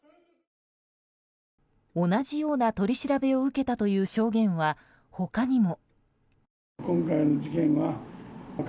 同じような取り調べを受けたという証言は他にも。